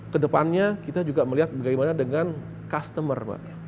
kedepannya kita juga melihat bagaimana dengan customer pak